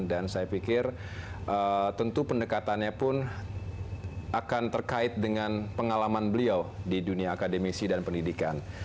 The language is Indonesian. dan saya pikir tentu pendekatannya pun akan terkait dengan pengalaman beliau di dunia akademisi dan pendidikan